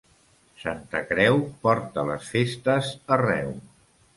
Santa Creu porta les festes arreu.